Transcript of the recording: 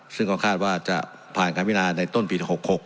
ซึ่งก็คาดว่าจะผ่านการพินาในต้นปี๖๖